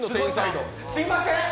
すいません！